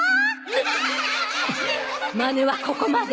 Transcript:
マネはここまで。